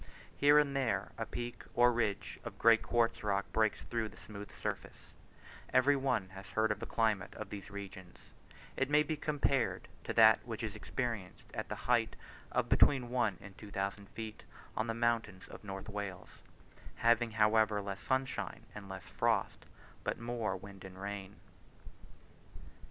Here and there a peak or ridge of grey quartz rock breaks through the smooth surface Every one has heard of the climate of these regions; it may be compared to that which is experienced at the height of between one and two thousand feet, on the mountains of North Wales; having however less sunshine and less frost but more wind and rain.